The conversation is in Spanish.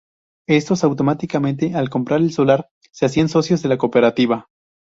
Estos automáticamente al comprar el solar, se hacían socios de la cooperativa.